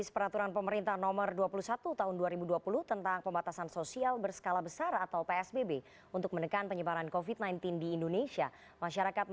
pembatasan sosial berskala besar